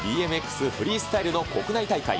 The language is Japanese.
フリースタイルの国内大会。